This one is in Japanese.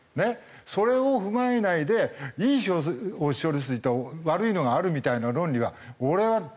それを踏まえないでいい処理水と悪いのがあるみたいな論理は俺は超ナンセンス。